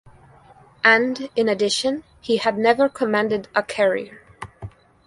And, in addition, he had never commanded a carrier.